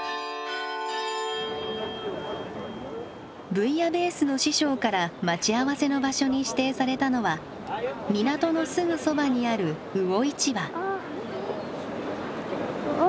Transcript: ブイヤベースの師匠から待ち合わせの場所に指定されたのは港のすぐそばにある魚市場。